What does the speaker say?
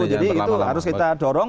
jadi itu harus kita dorong